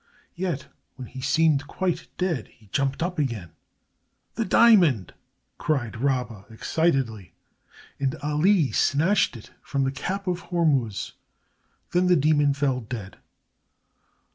Yet, when he seemed quite dead, he jumped up again. "The diamond," cried Rabba, excitedly, and Ali snatched it from the cap of Hormuz. Then the demon fell dead.